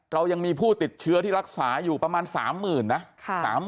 เรายังมีผู้ติดเชื้อที่รักษาอยู่ประมาณ๓๐๐๐นะ